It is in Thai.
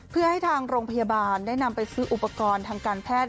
เพื่อให้ทางโรงพยาบาลได้นำไปซื้ออุปกรณ์ทางการแพทย์